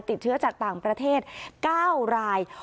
ติดเชื้อจากต่างประเทศ๙ราย